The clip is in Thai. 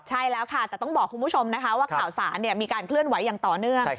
ใช่แล้วค่ะแต่ต้องบอกคุณผู้ชมนะคะว่าข่าวสารมีการเคลื่อนไหวอย่างต่อเนื่อง